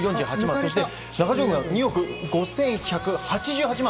そして中条軍は２億５１８８万。